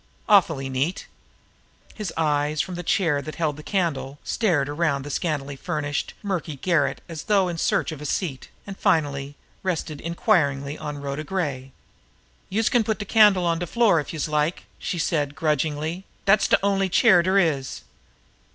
Awfully neat!" His eyes, from the chair that held the candle, strayed around the scantily furnished, murky garret as though in search of a seat, and finally rested inquiringly on Rhoda Gray. "Youse can put de candle on de floor, if youse like," she said grudgingly. "Dat's de only chair dere is."